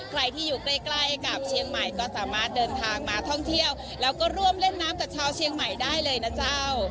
ใครที่อยู่ใกล้ใกล้กับเชียงใหม่ก็สามารถเดินทางมาท่องเที่ยวแล้วก็ร่วมเล่นน้ำกับชาวเชียงใหม่ได้เลยนะเจ้า